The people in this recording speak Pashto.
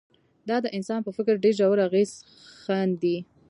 دا د انسان په فکر ډېر ژور اغېز ښندي